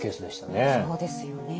そうですよね。